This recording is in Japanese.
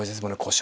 腰